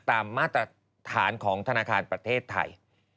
มาตรฐานของธนาคารประเทศไทย